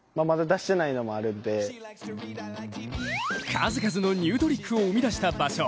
数々のニュートリックを生み出した場所。